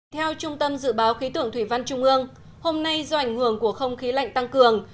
theo trung tâm dự báo khí tượng thủy văn trung ương hôm nay do ảnh hưởng của không khí lạnh tăng cường